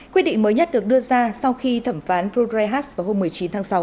quy định mới nhất được đưa ra sau khi thẩm phán bruce rehars vào hôm một mươi chín tháng sáu